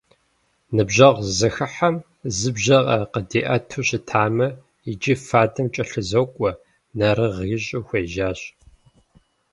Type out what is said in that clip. Ныбжьэгъу зэхыхьэм зы бжьэ къадиӏэту щытамэ, иджы фадэм кӏэлъызокӏуэ, нэрыгъ ищӏу хуежьащ.